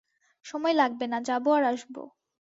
সময় লাগবে না, যাবো আর আসবো।